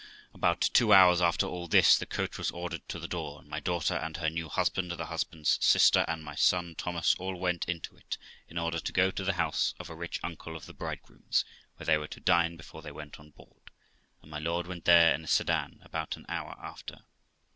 About two hours after all this, the coach was ordered to the door, and my daughter and her new husband, the husband's sister, and my son Thomas, all went into it, in order to go to the house of a rich uncle of the bridegroom's, where they were to dine before they went on board, and my lord went there in a sedan about an hour after.